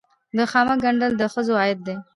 د خامک ګنډل د ښځو عاید دی